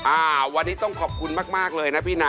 อ่าวันนี้ต้องขอบคุณมากเลยนะพี่นะ